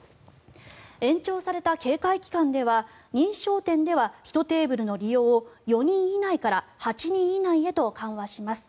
延長された警戒期間では認証店では１テーブルの利用を４人以内から８人以内へと緩和します。